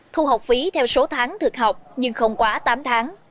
thu học phí theo số tháng thực học nhưng không quá tám tháng